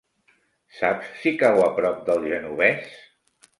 Saps si cau a prop del Genovés?